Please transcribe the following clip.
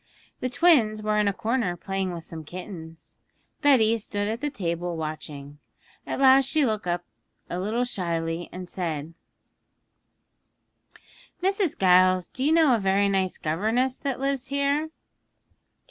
The twins were in a corner playing with some kittens. Betty stood at the table watching. At last she looked up a little shyly and said, 'Mrs. Giles, do you know a very nice governess that lives here?'